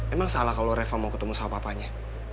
emang salah kalau reva mau ketemu sama papanya